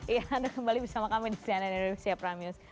iya anda kembali bersama kami di cnn indonesia prime news